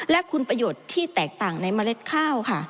และคุณประโยชน์ที่แตกต่างในเมล็ดข้าวค่ะ